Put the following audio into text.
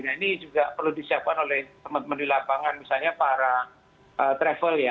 nah ini juga perlu disiapkan oleh teman teman di lapangan misalnya para travel ya